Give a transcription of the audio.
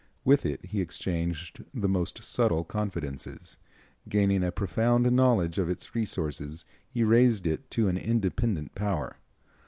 With it he exchanged the most subtle confidences. Gaining a profound knowledge of its resources he raised it to an independent power.